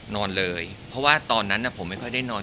นอนเลยเพราะว่าตอนนั้นผมไม่ค่อยได้นอน